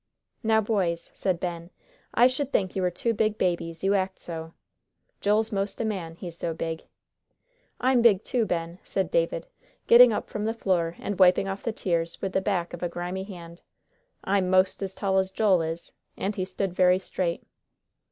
"Now, boys," said Ben, "I sh'd think you were two big babies, you act so. Joel's most a man, he's so big." "I'm big, too, Ben," said David, getting up from the floor and wiping off the tears with the back of a grimy hand. "I'm most as tall as Joel is," and he stood very straight.